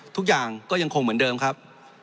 ทุกอย่างก็ยังคงเหมือนเดิมครับ